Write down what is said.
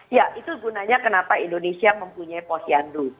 ya itu gunanya kenapa indonesia mempunyai posyandu